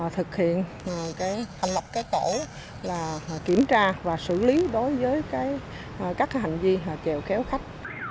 thực hiện hành lập cái tổ kiểm tra và xử lý đối với các hành vi kéo khách